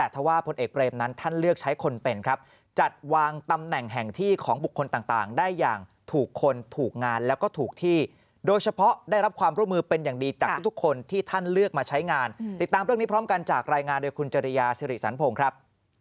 แต่ถ้าว่าพลเอกเบรมนั้นท่านเลือกใช้คนเป็นครับ